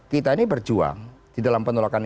kita ini berjuang di dalam penolakan